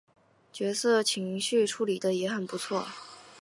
角色情绪处理的也很不错